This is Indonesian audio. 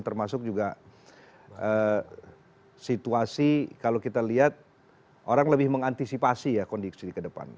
termasuk juga situasi kalau kita lihat orang lebih mengantisipasi ya kondisi ke depan